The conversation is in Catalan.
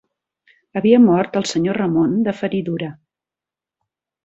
Havia mort el senyor Ramon de feridura